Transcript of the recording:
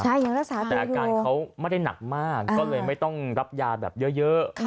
แต่อาการเขาไม่ได้หนักมากก็เลยไม่ต้องรับยาแบบเยอะ